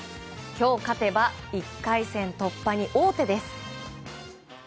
今日勝てば１回戦突破に王手です。